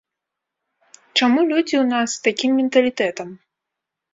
Чаму людзі ў нас з такім менталітэтам?